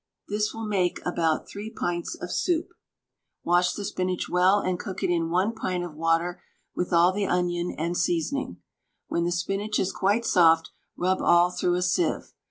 This will make about 3 pints of soup. Wash the spinach well, and cook it in 1 pint of water with the onion and seasoning. When the spinach is quite soft, rub all through a sieve.